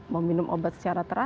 mau minum obat secara teratur